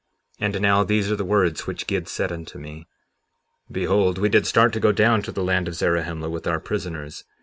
57:30 And now, these are the words which Gid said unto me: Behold, we did start to go down to the land of Zarahemla with our prisoners.